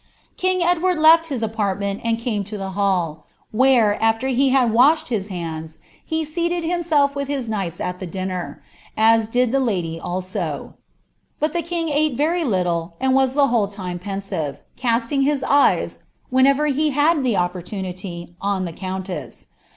" King Edward lefl his apartment, and came to the hall, where, after he lioil washed his hands, he seated himself with his knights at the din ner, «■ did the lady also ; but the king ate very little, and was the whole time peiisive, casting his eyes, whenever he had the opportunity, on the counie«8.